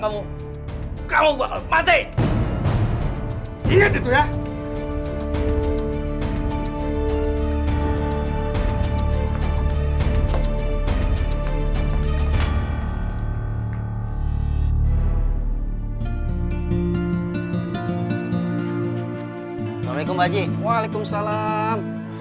kalau kamu gak bayar hutang kamu